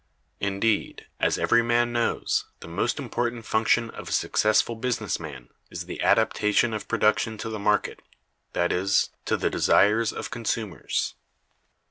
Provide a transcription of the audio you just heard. Indeed, as every man knows, the most important function of a successful business man is the adaptation of production to the market, that is, to the desires of consumers.